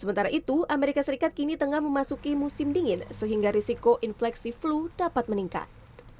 sementara itu amerika serikat kini tengah memasuki musim dingin sehingga risiko inflasi flu dapat meningkat